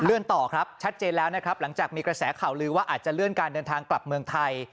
ต่อครับชัดเจนแล้วนะครับหลังจากมีกระแสข่าวลือว่าอาจจะเลื่อนการเดินทางกลับเมืองไทย